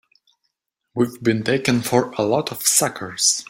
We've been taken for a lot of suckers!